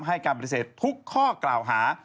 ให้การปฏิเสธทุกข้อกล่าวหา